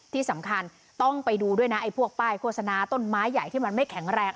ที่สำคัญต้องไปดูด้วยนะไอ้พวกป้ายโฆษณาต้นไม้ใหญ่ที่มันไม่แข็งแรง